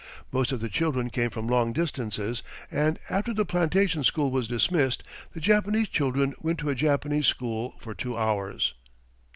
Most of the children came from long distances, and after the plantation school was dismissed, the Japanese children went to a Japanese school for two hours.